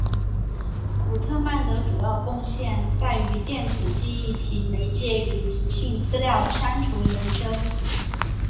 古特曼的主要贡献在于电子记忆体媒介与磁性资料删除研究。